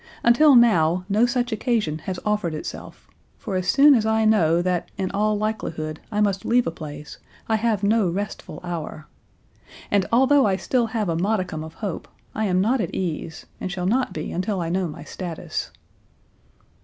Until now no such occasion has offered itself, for as soon as I know that in all likelihood I must leave a place I have no restful hour. And although I still have a modicum of hope, I am not at ease and shall not be until I know my status."